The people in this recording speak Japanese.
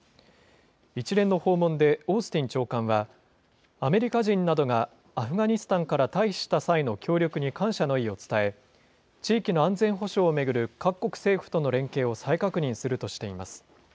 一連の訪問でオースティン長官は、アメリカ人などがアフガニスタンから退避した際の協力に感謝の意を伝え、地域の安全保障を巡る各国政府との連携を再確認するとしています。